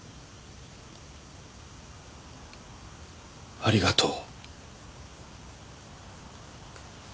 ありがとう。